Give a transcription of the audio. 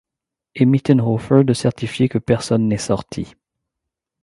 Et Mittenhofer de certifier que personne n'est sorti...